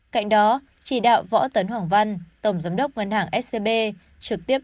cạnh đó chỉ đạo võ tấn hoàng văn tổng giám đốc ngân hàng scb